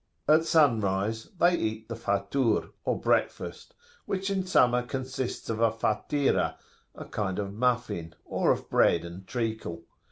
At sunrise they eat the Fatur, or breakfast, which in summer consists of a 'fatirah,' a kind of muffin, or of bread and treacle.